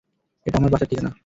এটা আমার বাসার ঠিকানা।